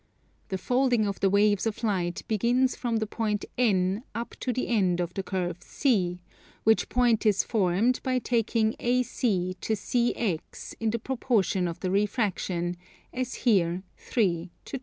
The folding of the waves of light begins from the point N up to the end of the curve C, which point is formed by taking AC to CX in the proportion of the refraction, as here 3 to 2.